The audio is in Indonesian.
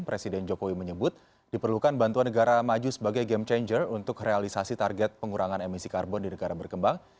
presiden jokowi menyebut diperlukan bantuan negara maju sebagai game changer untuk realisasi target pengurangan emisi karbon di negara berkembang